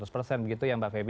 begitu ya mbak feby